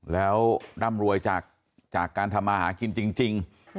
แล้วร่ำรวยจากการทำมาหากินจริง